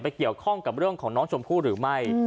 เกี่ยวข้องกับเรื่องของน้องชมพู่หรือไม่